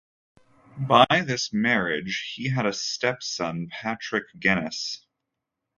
By this marriage, he had a stepson, Patrick Guinness.